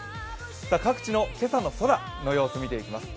各地の今朝の空の様子見ていきます。